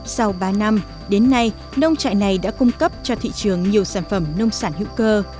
sau ba năm đến nay nông trại này đã cung cấp cho thị trường nhiều sản phẩm nông sản hữu cơ